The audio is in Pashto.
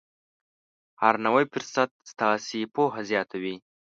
هر نوی فرصت ستاسې پوهه زیاتوي.